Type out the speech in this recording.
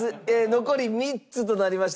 残り３つとなりました。